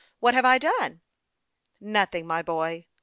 What have I done ?"" Nothing, my boy.